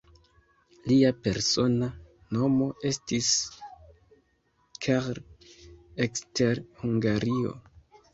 Lia persona nomo estis "Carl" ekster Hungario.